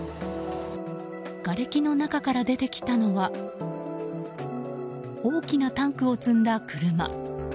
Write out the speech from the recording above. がれきの中から出てきたのは大きなタンクを積んだ車。